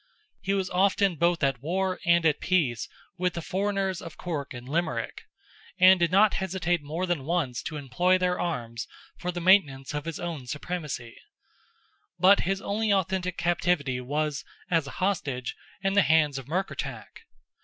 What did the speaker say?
He was often both at war and at peace with the foreigners of Cork and Limerick, and did not hesitate more than once to employ their arms for the maintenance of his own supremacy; but his only authentic captivity was, as a hostage, in the hands of Murkertach.